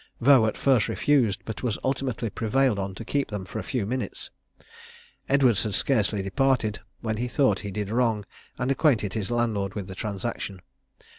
Vaux at first refused, but was ultimately prevailed on to keep them for a few minutes. Edwards had scarcely departed when he thought he did wrong, and acquainted his landlord with the transaction.